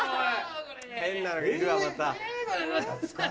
変なのがいるわまた。